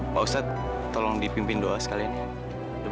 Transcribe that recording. pak ustadz tolong dipimpin doa sekali ini